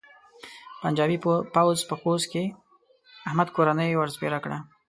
پنجاپي پوځ په خوست کې احمد کورنۍ ور سپېره کړه.